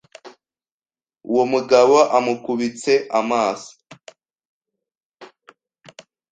Uwo mugabo amukubitse amaso,